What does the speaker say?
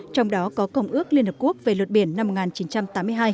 trong đó có công ước liên hợp quốc về luật biển năm một nghìn chín trăm tám mươi hai